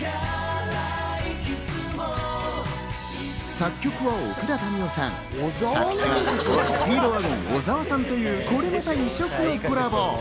作曲は奥田民生さん、作詞はスピードワゴン・小沢さんというこれまた異色のコラボ。